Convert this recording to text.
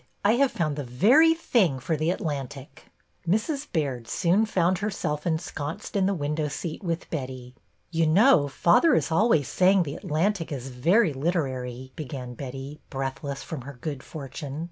I have found the very thing for The Atlantic T Mrs. Baird soon found herself ensconced in the window seat with Betty. You know, father is always saying The Atlantic is very literary," began Betty, breath less from her good fortune.